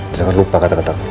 jangan lupa kata kataku